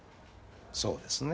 そうですね。